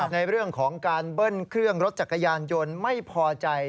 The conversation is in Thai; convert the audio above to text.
ในเรื่องของการเบิ้ลเครื่องรถจักรยานยนต์ไม่พอใจ